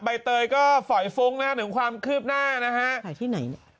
ใบเตยก็ฝอยฟุ้งนะฮะถึงความคืบหน้านะฮะหายที่ไหนเนี่ย